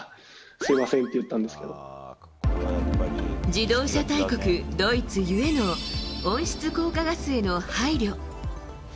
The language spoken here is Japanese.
自動車大国ドイツゆえの温室効果ガスへの配慮。